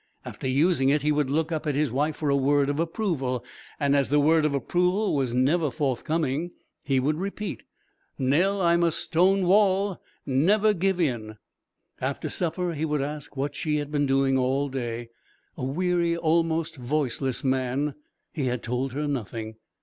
After using it he would look up at his wife for a word of approval; and as the word of approval was never forthcoming, he would repeat: "Nell, I'm a stone wall; never give in." After supper he would ask what she had been doing all day. A weary, almost voiceless, man, he had told her nothing.